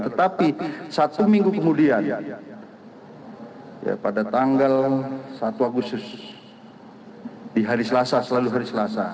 tetapi satu minggu kemudian pada tanggal satu agustus di hari selasa selalu hari selasa